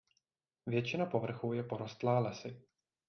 Většina povrchu je porostlá lesy.